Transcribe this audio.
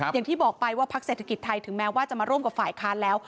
อย่างที่บอกไปว่าพักเศรษฐกิจไทยถึงแม้ว่าจะมาร่วมกับฝ่ายค้านแล้ว